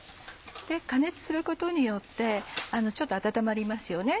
加熱することによってちょっと温まりますよね。